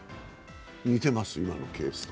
似てます、今のケースと？